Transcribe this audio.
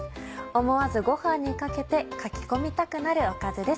思わずご飯にかけてかき込みたくなるおかずです。